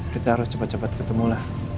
kita harus cepat cepat ketemu lah